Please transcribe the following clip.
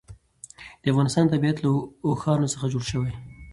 د افغانستان طبیعت له اوښانو څخه جوړ شوی دی.